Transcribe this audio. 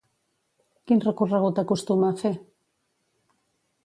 Quin recorregut acostuma a fer?